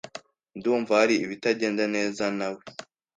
Ndumva hari ibitagenda neza nawe.